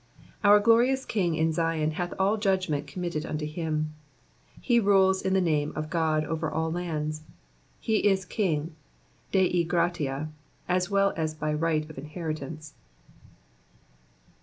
Our glorious King in Zion hath all judgment committed unto him. He rules in the name of God over all lands. He is king Dei Gratia'' as well as by right of inheritance.